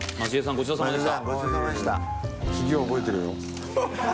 ごちそうさまでした！